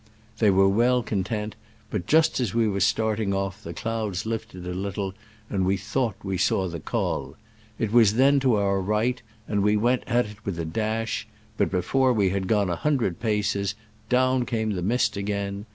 They were well content, but just as we were starting off the clouds lifted a little, and we thought we saw the col. It was then to our right, and we went at it with a dash, but before we had gone a hundred paces down came the mist again.